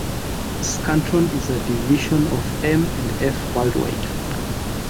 Scantron is a division of M and F Worldwide.